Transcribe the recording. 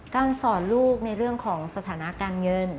การสอนลูกในเรื่องของสถานะการเงิน